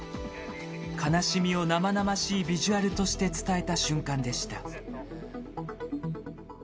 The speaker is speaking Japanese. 悲しみを生々しいビジュアルとして伝えた瞬間でした。